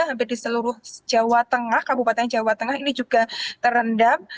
hampir di seluruh kabupaten jawa tengah ini juga terendam